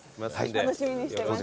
楽しみにしてます。